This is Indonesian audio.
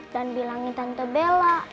dan bilangin tante bella